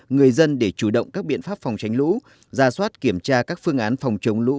người dân để chủ động các biện pháp phòng tránh lũ ra soát kiểm tra các phương án phòng chống lũ